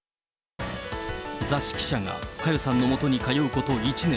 雑誌記者が佳代さんのもとに通うこと１年。